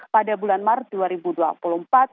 pada bulan maret dua ribu dua puluh empat